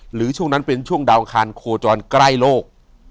ช่วงนั้นเป็นช่วงดาวอังคารโคจรใกล้โลก